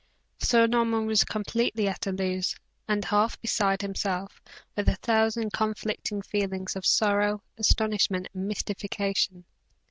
Sir Norman was completely at a loss, and half beside himself, with a thousand conflicting feelings of sorrow, astonishment, and mystification.